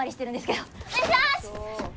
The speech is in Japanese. お願いします！